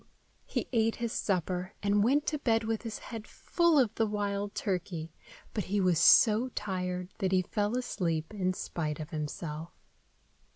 He ate his supper, and went to bed with his head full of the wild turkey, but he was so tired that he fell asleep in spite of himself.